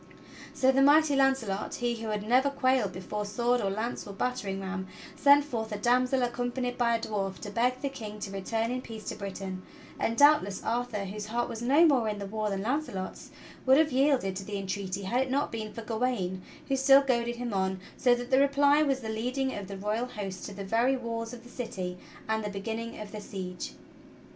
So the mighty Launcelot, he who had never quailed before sword or lance or battering ram, sent forth a damsel accompanied by a dwarf to beg the King to return in peace to Britain; and doubt less Arthur, whose heart was no more in the war than Launcelot's, would have yielded to the entreaty had it not been for Gawain who still goaded him on; so that the reply was the leading of the royal host to the very walls of the city and the beginning of the siege.